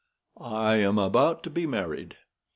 "I am about to be married."